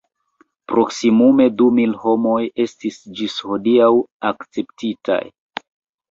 Proksimume du mil homoj estis ĝis hodiaŭ akceptitaj.